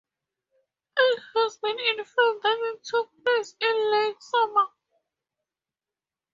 It has been inferred that it took place in late summer.